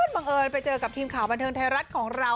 บังเอิญไปเจอกับทีมข่าวบันเทิงไทยรัฐของเรา